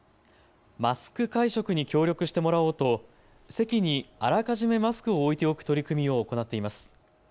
マスク会食に協力してもらおうと席にあらかじめマスクを置いておく取り組みを行っています。